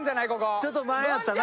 ちょっと前やったな。